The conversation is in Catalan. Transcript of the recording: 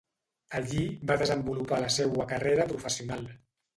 Allí va desenvolupar la seua carrera professional.